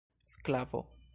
sklavo